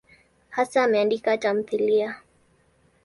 Hasa ameandika tamthiliya.